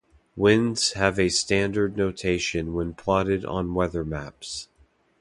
Winds have a standard notation when plotted on weather maps.